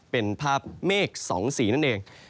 เป็นภาพเมฆ๒สีนั่นเอง